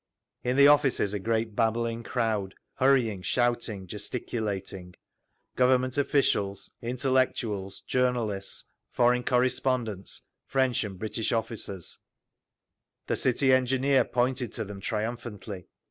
In the offices a great babbling crowd, hurrying, shouting, gesticulating—Government officials, intellectuals, journalists, foreign correspondents, French and British officers…. "The City Engineer pointed to them triumphantly.